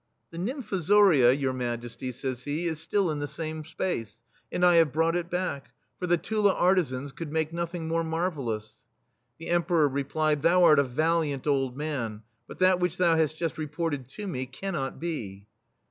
"The nymfozoria, Your Majesty," says he, " is still in the same space, and I have brought it back, for the Tula artisans could make nothing more mar vellous." The Emperor replied :" Thou art a valiant old man, but that which thou hast just reported to me cannot be."